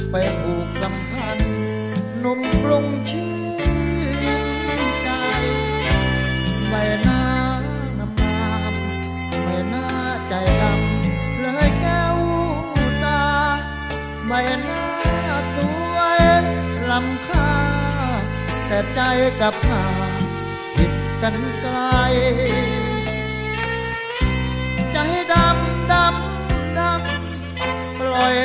มีแต่น้ำคำเหลียบระย่ำผมยนต์สิ้นมือ